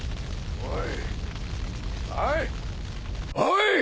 おい！